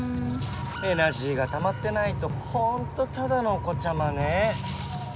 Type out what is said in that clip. エナジーがたまってないとほんとただのお子ちゃまね。